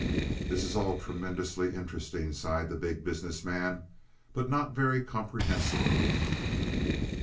"This is all tremendously interesting," sighed the Big Business Man; "but not very comprehensible."